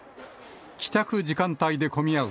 帰宅時間帯で混み合う